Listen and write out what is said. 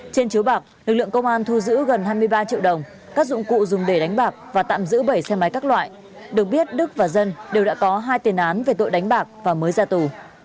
trên chiếu bạc lực lượng công an thu giữ gần hai mươi ba triệu đồng các dụng cụ dùng để đánh bạc và tạm giữ bảy xe máy các loại được biết đức và dân đều đã có hai tiền án về tội đánh bạc và mới ra tù